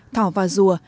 thỏ vào rùa